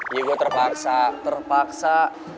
ya gue terpaksa terpaksa